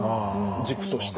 軸として。